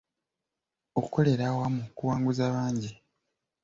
Okukolera awamu kuwanguza bangi.